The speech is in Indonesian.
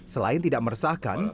selain tidak meresahkan